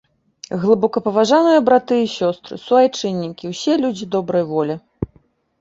Глыбокапаважаныя браты і сёстры, суайчыннікі, усе людзі добрай волі!